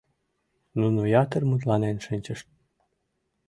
Нуно ятыр мутланен шинчышт.